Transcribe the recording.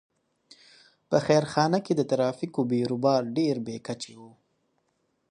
په خیرخانه کې د ترافیکو بېروبار ډېر بې کچې و.